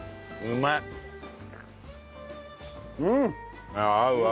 うまいわ。